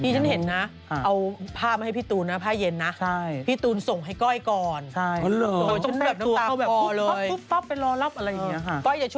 ใช่ไหมนางก็ยอมรับตรง